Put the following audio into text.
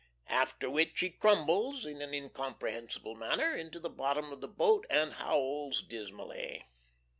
After which he crumbles, in an incomprehensible manner, into the bottom of the boat, and howls dismally.